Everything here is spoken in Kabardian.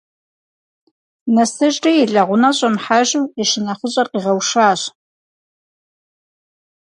Нэсыжри, и лэгъунэ щӏэмыхьэжу, и шынэхъыщӏэр къигъэушащ.